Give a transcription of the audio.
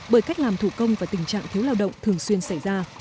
bởi cách làm thủ công và tình trạng thiếu lao động thường xuyên xảy ra